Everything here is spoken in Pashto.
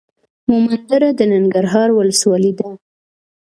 مومندره د ننګرهار ولسوالۍ ده.